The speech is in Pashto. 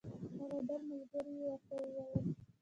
هغه بل ملګري یې ورته وویل.